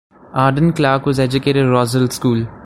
Arden-Clarke was educated at Rossall School.